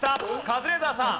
カズレーザーさん。